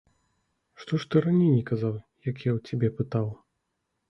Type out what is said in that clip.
Што ж ты раней не казаў, як я ў цябе пытаў?